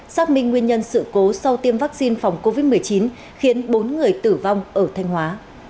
xác minh nguyên nhân sự cố sau tiêm vaccine phòng covid một mươi chín khiến bốn người tử vong ở thanh hóa